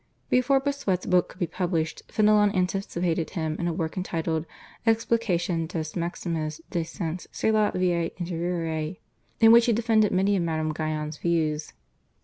Before Bossuet's book could be published Fenelon anticipated him in a work entitled /Explication des maximes des Saints sur la vie interieure/, in which he defended many of Madame Guyon's views.